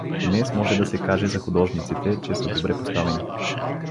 Днес може да се каже за художниците, че са добре поставени.